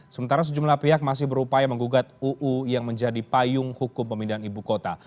sementara sejumlah pihak masih berupaya menggugat uu yang menjadi payung hukum pemindahan ibu kota